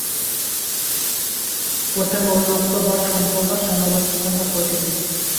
প্রথমে অবিভক্ত বা সম্পূর্ণ সাম্যাবস্থাপন্ন প্রকৃতি।